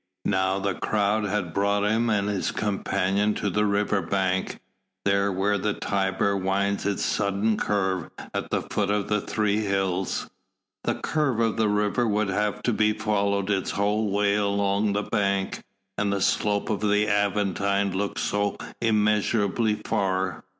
Now the crowd had brought him and his companion to the river bank, there where the Tiber winds its sudden curve at the foot of the three hills. That curve of the river would have to be followed its whole way along the bank, and the slope of the Aventine looked so immeasurably far.